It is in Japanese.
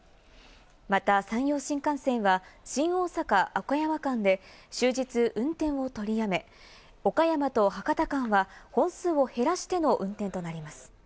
また、山陽新幹線は新大阪−岡山間で終日運転を取りやめ、岡山−博多間は本数を減らしての運転となります。